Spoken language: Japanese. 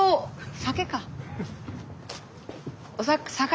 酒か。